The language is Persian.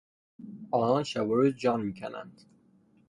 آنان شب و روز جان میکنند.